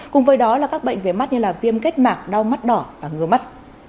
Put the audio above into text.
cùng với đó là các bệnh về mắt như viêm kết mạc đau mắt đỏ và ngứa mắt